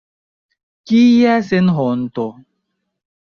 Kia senhonto!